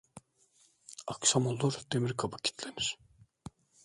Akşam olur demir kapı kitlenir.